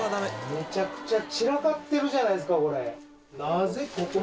めちゃくちゃ散らかってるじゃないですか。